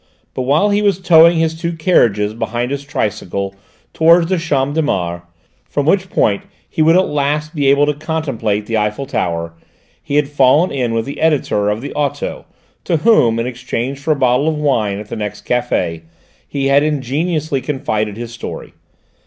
But while he was towing his two carriages behind his tricycle towards the Champ de Mars, from which point he would at last be able to contemplate the Eiffel Tower, he had fallen in with the editor of the Auto, to whom, in exchange for a bottle of wine at the next café, he had ingenuously confided his story.